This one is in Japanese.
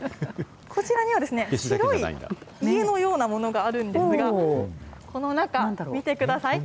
こちらには、白い家のようなものがあるんですが、この中、見てください。